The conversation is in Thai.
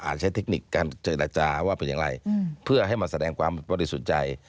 อาจใช้เทคนิคการเจรัจจาว่าเป็นยังไงอืมเพื่อให้มันแสดงความปฏิสุจัย